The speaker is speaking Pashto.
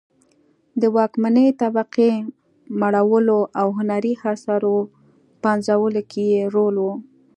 د واکمنې طبقې مړولو او هنري اثارو پنځولو کې یې رول و